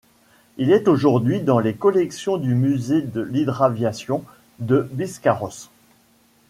Il est aujourd'hui dans les collections du musée de l'hydraviation de Biscarrosse.